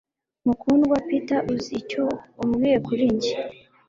Mukundwa Peter, uzi icyo umbwiye kuri njye